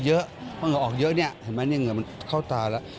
เพราะเหงื่อออกเยอะนี่เห็นไหมเหงื่อมันเข้าตาแล้ว